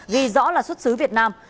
ghi rõ là xuất xứ việt nam